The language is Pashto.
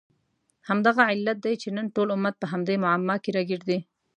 همدغه علت دی چې نن ټول امت په همدې معما کې راګیر دی.